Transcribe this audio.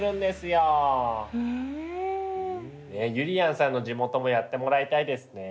ねえゆりやんさんの地元もやってもらいたいですね。